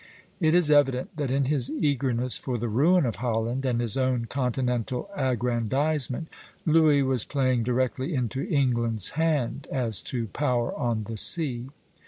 It is evident that in his eagerness for the ruin of Holland and his own continental aggrandizement Louis was playing directly into England's hand, as to power on the sea.